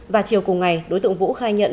và chiều cùng ngày đối tượng vũ khai nhận